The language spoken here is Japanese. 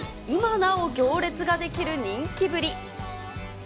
今なお行列が出来る人気ぶり。